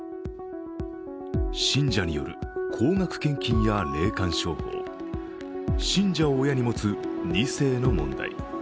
信者による高額献金や霊感商法信者を親に持つ２世の問題。